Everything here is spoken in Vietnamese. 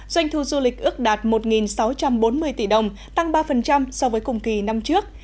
doanh thu du lịch ước đạt một sáu trăm bốn mươi tỷ đồng tăng ba so với cùng kỳ năm trước